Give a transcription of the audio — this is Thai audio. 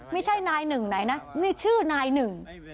ไม่ใช่นายหนึ่งไหนนะนี่ชื่อนายหนึ่ง